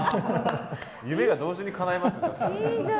夢が同時にかないますねそしたら。